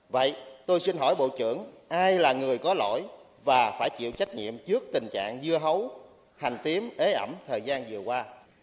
vậy tôi xin hỏi bộ trưởng ai là người có lỗi và phải chịu trách nhiệm trước tình trạng dưa hấu hành tím ế ẩm thời gian vừa qua